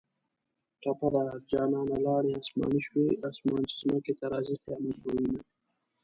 ټپه ده: جانانه لاړې اسماني شوې اسمان چې ځمکې ته راځۍ قیامت به وینه